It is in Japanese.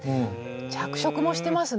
着色もしてますね